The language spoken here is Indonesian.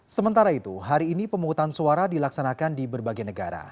sementara itu hari ini pemungutan suara dilaksanakan di berbagai negara